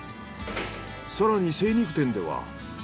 更に精肉店では。